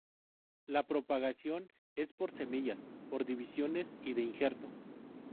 La propagación es por semillas, por divisiones y de injerto.